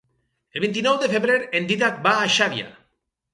El vint-i-nou de febrer en Dídac va a Xàbia.